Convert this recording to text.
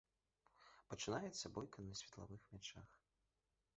Пачынаецца бойка на светлавых мячах.